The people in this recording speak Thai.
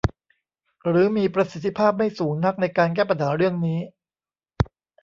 หรือมีประสิทธิภาพไม่สูงนักในการแก้ปัญหาเรื่องนี้